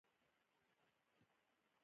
چارمغز د زړه روغتیا ته ګټه رسوي.